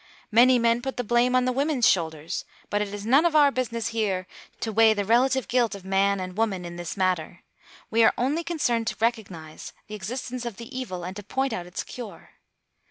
Many men put the blame on the women's shoulders; but it is none of our business here to weigh the relative guilt of man and woman in this matter. We are only concerned to recognise the existence of the evil, and to point out its cure.